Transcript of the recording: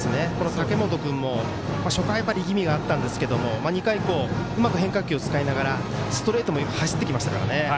武元君も初回、力みがあったんですが２回以降うまく変化球を使いながらストレートもよく走ってきましたからね。